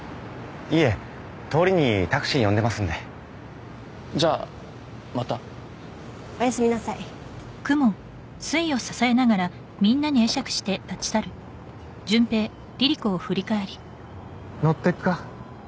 いえ通りにタクシー呼んでますんでじゃあまたおやすみなさい乗ってくか？